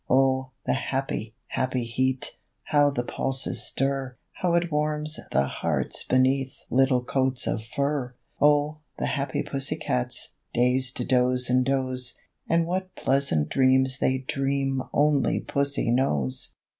Oh, the happy, happy heat! How the pulses stir, How it warms the hearts beneath Little coats of fur! Oh, the happy pussy cats! Days to doze and doze, And what pleasant dreams they dream Only pussy knows.